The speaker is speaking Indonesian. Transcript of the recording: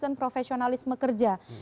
dan profesionalisme kerja